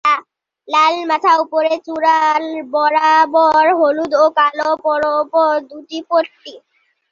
লাল মাথার উপরে চূড়া বরাবর হলুদ ও কালো পরপর দুটি পট্টি।